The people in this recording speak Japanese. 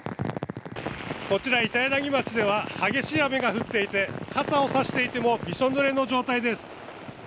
こちら、板柳町では激しい雨が降っていて、傘を差していても、びしょぬれの状態です。